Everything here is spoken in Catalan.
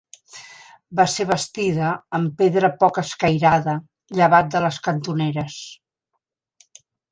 Va ser bastida amb pedra poc escairada, llevat de les cantoneres.